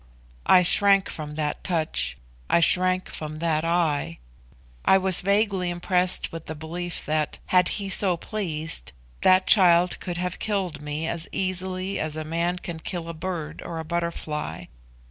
I shrank from that touch I shrank from that eye. I was vaguely impressed with a belief that, had he so pleased, that child could have killed me as easily as a man can kill a bird or a butterfly.